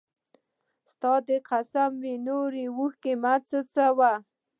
ستا! دي قسم وي نوري اوښکي مه څڅوه